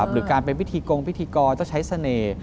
หรือการเป็นพิธีกรพิธีกรต้องใช้เสน่ห์